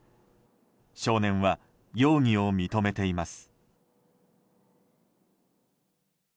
少年は容疑を認めています。